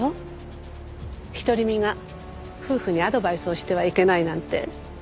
独り身が夫婦にアドバイスをしてはいけないなんて。